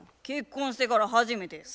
結婚してから初めて？